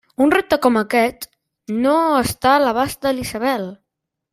Un repte com aquest no està a l'abast de la Isabel!